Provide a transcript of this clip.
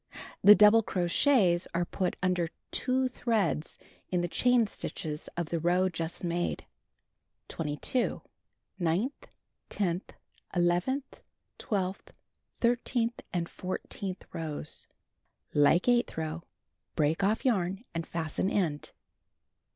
The double crochets are put imder two threads in the chain stitches of the row just made. 22. Ninth, tenth, eleventh, twelfth, thirteenth and fourteenth rows: Like eighth row. lirc^ak off yarn and fasten end.